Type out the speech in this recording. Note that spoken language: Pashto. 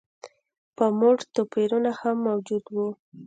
د پاموړ توپیرونه هم موجود و.